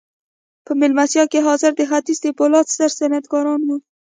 په مېلمستیا کې حاضر د ختیځ د پولادو ستر صنعتکاران وو